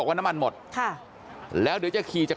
กลับไปลองกลับ